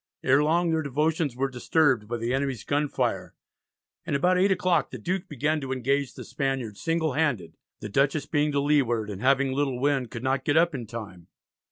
Ere long their devotions were disturbed by the enemy's gunfire, and about eight o'clock the Duke began to engage the Spaniard single handed; the Dutchess "being to leeward, and having little wind, could not get up in time."